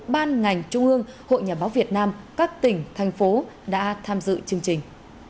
ban ngành trung ương hội nhà báo việt nam các tỉnh thành phố đã tham dự chương trình